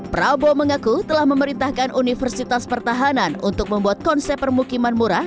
prabowo mengaku telah memerintahkan universitas pertahanan untuk membuat konsep permukiman murah